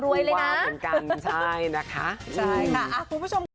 รวยเลยนะรวยวาวเหมือนกันใช่นะคะใช่ค่ะอ่าคุณผู้ชม